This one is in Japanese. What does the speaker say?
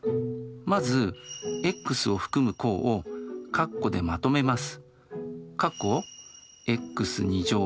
まずｘを含む項を括弧でまとめます。。